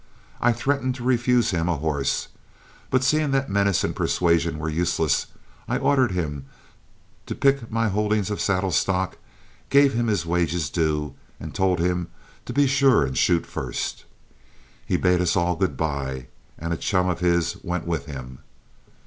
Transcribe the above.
I threatened to refuse him a horse, but seeing that menace and persuasion were useless, I ordered him to pick my holdings of saddle stock, gave him his wages due, and told him to be sure and shoot first. He bade us all good by, and a chum of his went with him.